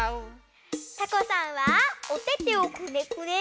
タコさんはおててをくねくね。